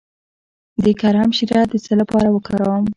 د کرم شیره د څه لپاره وکاروم؟